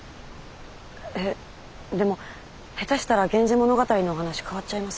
えっでも下手したら「源氏物語」のお話変わっちゃいません？